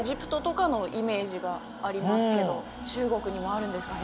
中国にもあるんですかね。